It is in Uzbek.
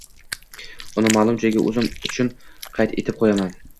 Uni ma’lum joyga o‘zim uchun qayd etib qo‘yaman.